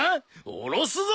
おろすぞ！